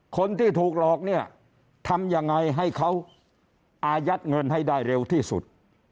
คนที่ถูกหลอกเนี่ยทำยังไงให้เขาอายัดเงินให้ได้เร็วที่สุด